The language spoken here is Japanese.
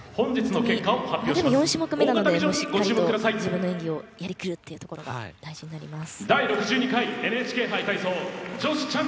でも、４種目めなのでしっかり自分の演技をやりきるというところが大事です。